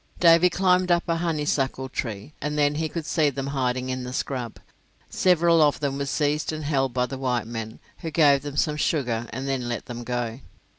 Davy climbed up a honeysuckle tree, and then he could see them hiding in the scrub. Several of them were seized and held by the white men, who gave them some sugar and then let them go.